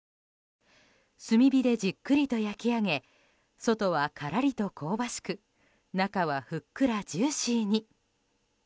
炭火でじっくりと焼き上げ外はからりと香ばしく中はふっくらジューシーに。